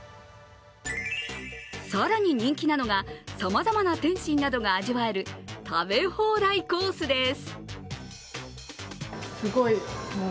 更に人気なのが、さまざまな点心などが味わえる食べ放題コースです。